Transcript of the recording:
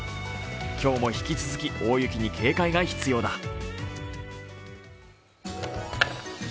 今日も引き続き大雪に警戒が必要だ。